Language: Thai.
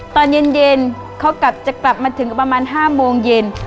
ตอนเย็นเขากลับจะกลับมาถึงประมาณ๕โมงเย็น